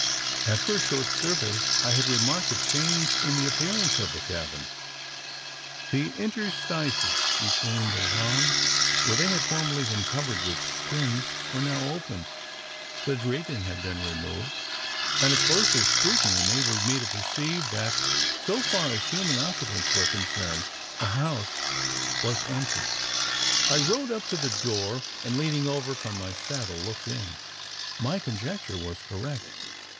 After a short survey, I had remarked a change in the appearance of the cabin. The interstices between the logs where they had formerly been covered with skins were now open. The draping had been removed; and a closer scrutiny enabled me to perceive, that, so far as human occupants were concerned, the house was empty! I rode up to the door; and, leaning over from my saddle, looked in. My conjecture was correct.